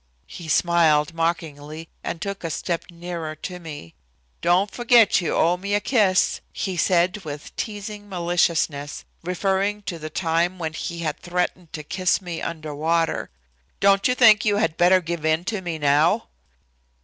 He smiled mockingly and took a step nearer to me. "Don't forget you owe me a kiss," he said, with teasing maliciousness, referring to the time when he had threatened to "kiss me under water." "Don't you think you had better give in to me now?"